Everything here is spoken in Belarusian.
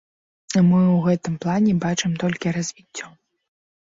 Мы ў гэтым плане бачым толькі развіццё.